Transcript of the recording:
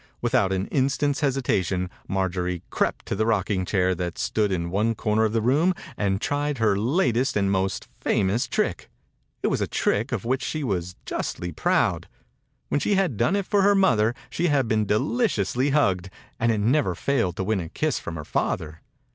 Without an instant's hesitation Marjorie crept to the rocking chair that stood in one corner of the room and tried her latest 88 THE INCUBATOR BABY and most famous trick. It was a trick of which she was justly proud. When she had done it for her mother she had been de liciously hugged, and it never failed to win a kiss from her father.